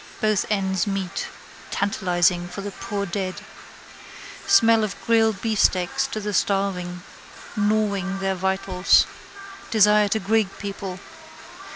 Both ends meet. Tantalising for the poor dead. Smell of grilled beefsteaks to the starving. Gnawing their vitals. Desire to grig people.